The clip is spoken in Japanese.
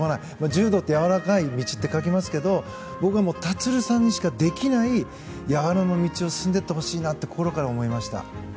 柔道って柔らかい道と書きますけど立さんにしかできないやわらの道を進んでいってほしいなと心から思いました。